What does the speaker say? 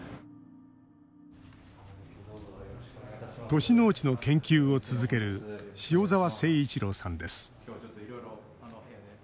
都市農地の研究を続ける塩澤誠一郎さんです。